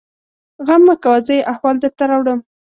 _غم مه کوه! زه يې احوال درته راوړم.